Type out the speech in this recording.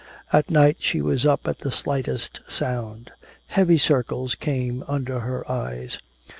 At night she was up at the slightest sound. Heavy circles came under her eyes.